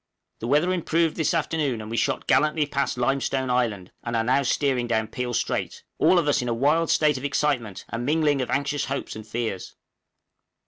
The weather improved this afternoon, and we shot gallantly past Limestone Island, and are now steering down Peel Strait; all of us in a wild state of excitement a mingling of anxious hopes and fears!